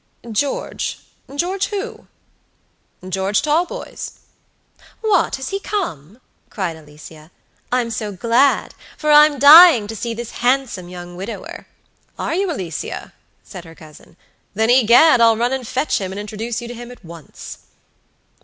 "GeorgeGeorge who?" "George Talboys." "What, has he come?" cried Alicia. "I'm so glad; for I'm dying to see this handsome young widower." "Are you, Alicia?" said her cousin, "Then egad, I'll run and fetch him, and introduce you to him at once."